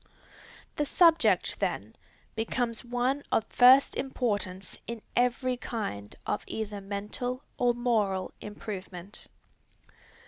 The subject, then, becomes one of first importance in every kind of either mental or moral improvement.